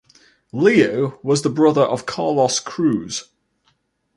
Leo was the brother of Carlos Cruz.